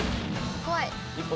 怖い！